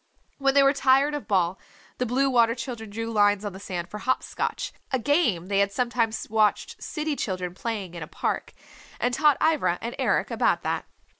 When they were tired of ball, the Blue Water Children drew lines on the sand for "hop scotch," a game they had sometimes watched city children playing in a park, and taught Ivra and Eric about that.